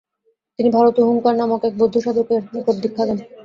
তিনি ভারতে হুঙ্কার নামক এক বৌদ্ধ সাধকের নিকট দীক্ষা নেন।